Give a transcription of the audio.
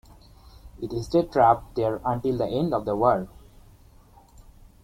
It stayed trapped there until the end of the war.